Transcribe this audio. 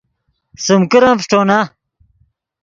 سیم کرن فݰٹونا